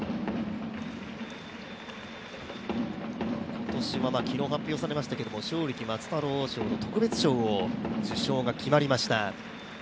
今年は昨日、発表されましたけど正力松太郎賞の特別賞の受賞が決まりました。